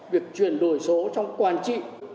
việc chuyển đổi số trong quan trị